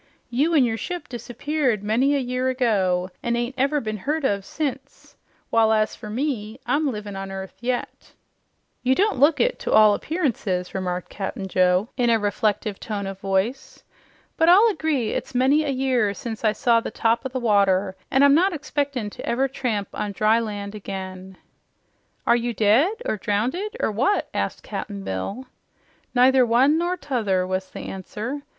You an' your ship disappeared many a year ago, an' ain't never been heard of since, while, as you see, I'm livin' on earth yet." "You don't look it to all appearances," remarked Cap'n Joe in a reflective tone of voice. "But I'll agree it's many a year since I saw the top o' the water, an' I'm not expectin' to ever tramp on dry land again." "Are you dead, or drownded, or what?" asked Cap'n Bill. "Neither one nor t'other," was the answer.